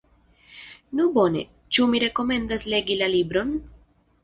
Nu bone, ĉu mi rekomendas legi la libron?